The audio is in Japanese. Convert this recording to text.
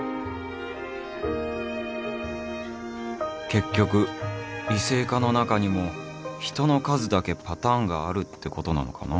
結局異性化の中にも人の数だけパターンがあるってことなのかな